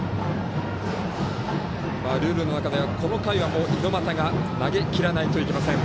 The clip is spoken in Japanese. ルールの中ではこの回では猪俣が投げきらなくてはなりません。